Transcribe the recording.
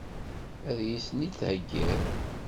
Ad iyi-ten-id-theggiḍ?